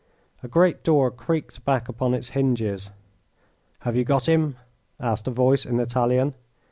A great door creaked back upon its hinges. "Have you got him?" asked a voice, in Italian.